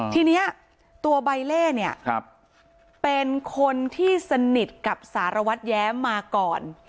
ทีนี้ตัวใบเล่เนี่ยเป็นคนที่สนิทกับสารวัตรแย้มมาก่อน